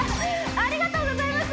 ありがとうございます！